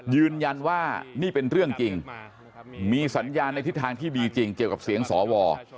ยืนยันว่านี่เป็นเรื่องจริงมีสัญญาณในทิศทางที่ดีจริงเกี่ยวกับเสียงสว